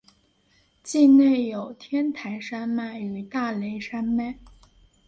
境内有天台山脉与大雷山脉。